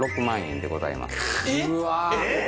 ６万円でございますえっ！